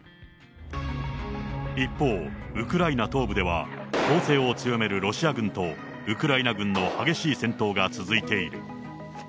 一方、ウクライナ東部では、攻勢を強めるロシア軍と、ウクライナ軍の激しい戦闘が続いている。